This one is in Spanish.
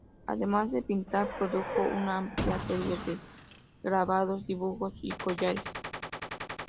Además de pintar, produjo una amplia serie de grabados, dibujos y collages.